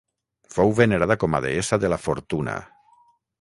Fou venerada com a deessa de la fortuna.